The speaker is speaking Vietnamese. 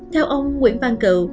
theo ông nguyễn văn cựu